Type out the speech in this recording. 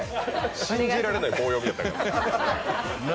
信じられない棒読みだったから。